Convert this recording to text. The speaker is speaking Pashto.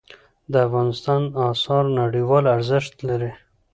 د افغانستان آثار نړیوال ارزښت لري.